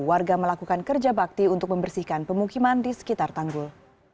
warga melakukan kerja bakti untuk membersihkan pemukiman di sekitar tanggul